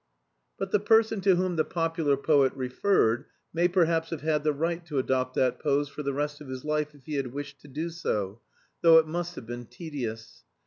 _ But the person to whom the popular poet referred may perhaps have had the right to adopt that pose for the rest of his life if he had wished to do so, though it must have been tedious.